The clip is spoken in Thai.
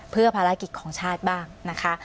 เพื่อภารกิจของชาติบ้างนะคะ